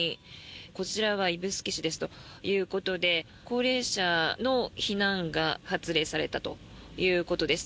こちらは指宿市ですということで高齢者の避難が発令されたということです。